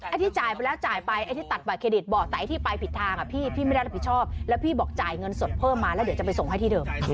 ที่จ่ายไปแล้วจ่ายไปไอ้ที่ตัดบัตเครดิตบอกแต่ไอ้ที่ไปผิดทางพี่พี่ไม่ได้รับผิดชอบแล้วพี่บอกจ่ายเงินสดเพิ่มมาแล้วเดี๋ยวจะไปส่งให้ที่เดิม